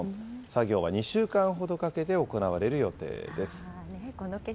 作業は２週間ほどかけて行われる予定です。